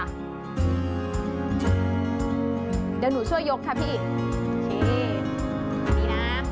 เดี๋ยวหนูช่วยยกค่ะพี่